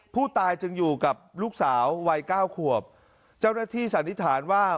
ผู้ตายจึงอยู่กับลูกสาววัยเก้าขวบเจ้าหน้าที่สันนิษฐานว่า